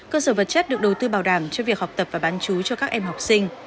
cơ sở vật chất được đầu tư bảo đảm cho việc học tập và bán chú cho các em học sinh